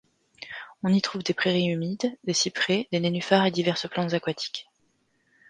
On y trouve des prairies humides, des cyprès, des nénuphars et diverses plantes aquatiques.